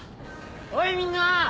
おいみんな！